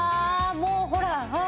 もうほら。